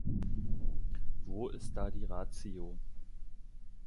Wo ist da die Ratio?